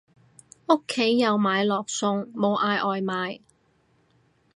屋企有買落餸，冇嗌外賣